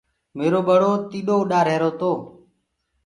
ميرو ٻڙو تيڏو اُڏ رهيرو تو۔